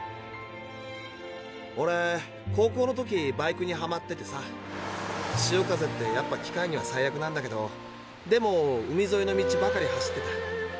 オレ高校の時バイクにはまっててさ潮風ってやっぱ機械には最悪なんだけどでも海ぞいの道ばかり走ってた。